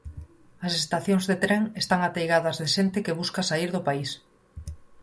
As estacións de tren están ateigadas de xente que busca saír do país.